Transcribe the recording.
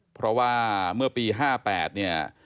เพราะว่าเมื่อปี๕๘เนี่ย